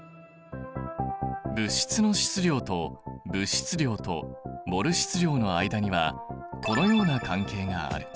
物質の質量と物質量とモル質量の間にはこのような関係がある。